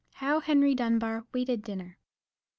HOW HENRY DUNBAR WAITED DINNER.